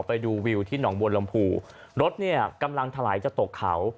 ไปดูวิวที่หนองบัวลำภูรถเนี่ยกำลังถลายจะตกเขา